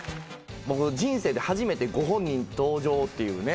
僕人生で初めてご本人登場っていうね。